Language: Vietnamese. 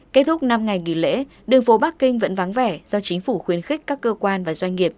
kết thúc năm ngày nghỉ lễ đường phố bắc kinh vẫn vắng vẻ do chính phủ khuyến khích các cơ quan và doanh nghiệp